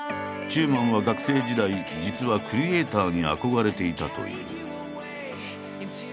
中馬は学生時代実はクリエーターに憧れていたという。